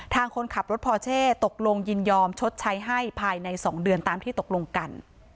คนขับรถพอเช่ตกลงยินยอมชดใช้ให้ภายใน๒เดือนตามที่ตกลงกัน